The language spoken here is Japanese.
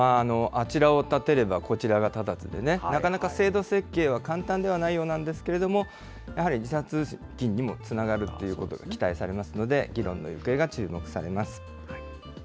あちらを立てればこちらが立たずでね、なかなか制度設計は簡単ではないようなんですけれども、やはり時差通勤にもつながるということが期待されますので、議論の行方が注目されます。